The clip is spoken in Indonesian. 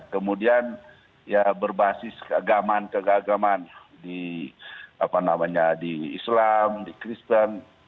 kemudian ya berbasis keagaman keagaman di apa namanya di islam di kristen